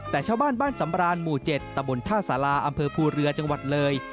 แต่ชาวบ้านบ้านสำรานหมู่๗ตะบนท่าสาราอำเภอภูเรือจังหวัดเลย